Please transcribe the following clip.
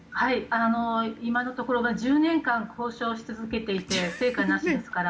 今のところ１０年間交渉し続けていて成果なしですから。